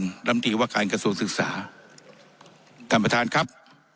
ลำตีว่าการกระทรวงศึกษาท่านประธานครับ